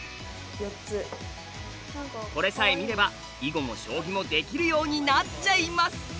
これさえ見れば囲碁も将棋もできるようになっちゃいます！